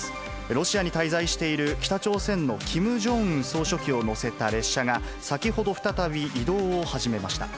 ロシアに滞在している北朝鮮のキム・ジョンウン総書記を乗せた列車が、先ほど、再び移動を始めました。